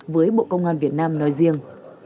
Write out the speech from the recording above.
với bộ công an việt nam nói riêng